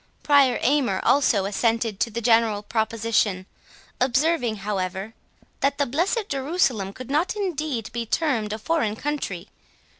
Prior Aymer also assented to the general proposition, observing, however, "That the blessed Jerusalem could not indeed be termed a foreign country.